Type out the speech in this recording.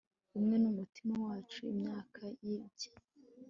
Imwe numutima wacu imyaka yibye